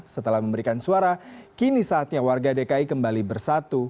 setelah memberikan suara kini saatnya warga dki kembali bersatu